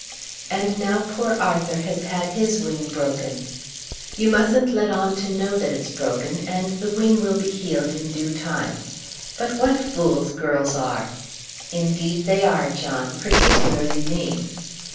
"And now poor Arthur has had his wing broken." "You mustn't let on to know that it's broken, and the wing will be healed in due time. But what fools girls are!" "Indeed they are, John; particularly me."